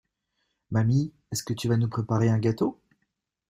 Mamie, est-que tu vas nous préparer un gâteau?